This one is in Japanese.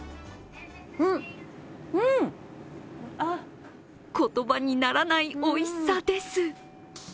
うん、うん、あっ言葉にならないおいしさです。